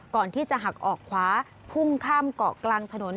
ก่อนที่จะหักออกขวาพุ่งข้ามเกาะกลางถนน